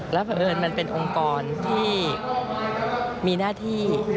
แล้วเผลอมันเป็นองค์กรที่มีหน้าที่